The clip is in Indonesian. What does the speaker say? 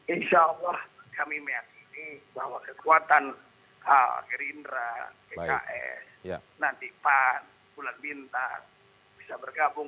insya allah kami meyakini bahwa kekuatan gerindra pks nanti pan bulan bintang bisa bergabung